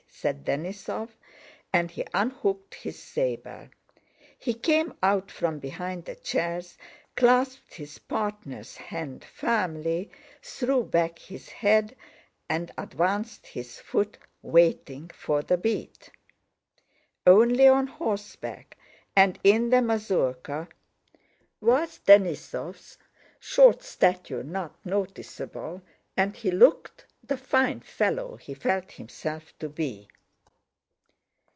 said Denísov, and he unhooked his saber. He came out from behind the chairs, clasped his partner's hand firmly, threw back his head, and advanced his foot, waiting for the beat. Only on horse back and in the mazurka was Denísov's short stature not noticeable and he looked the fine fellow he felt himself to be.